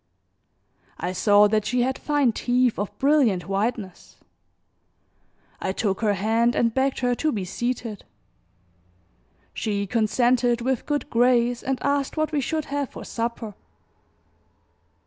I saw that she had fine teeth of brilliant whiteness; I took her hand and begged her to be seated; she consented with good grace and asked what we should have for supper.